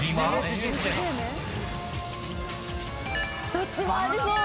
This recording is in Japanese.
どっちもありそう。